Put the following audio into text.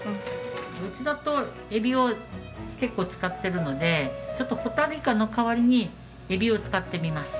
うちだとエビを結構使ってるのでちょっとホタルイカの代わりにエビを使ってみます。